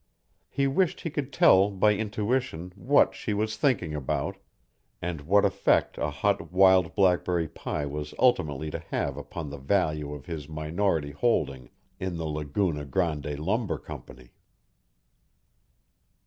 He wished he could tell, by intuition, what she was thinking about and what effect a hot wild blackberry pie was ultimately to have upon the value of his minority holding in the Laguna Grande Lumber Company.